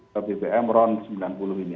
ke bbm ron sembilan puluh ini